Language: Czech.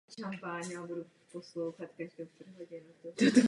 Dvě z nich se týkají českého prostředí a českých králů.